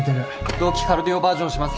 同期カルディオバージョンします。